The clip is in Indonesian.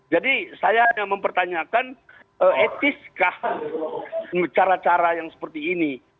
jadi saya hanya mempertanyakan etiskah cara cara yang seperti ini